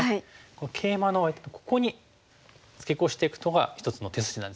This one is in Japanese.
このケイマのここにツケコしていくのが一つの手筋なんですね。